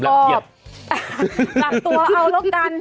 กักตัวเอาแล้วกัน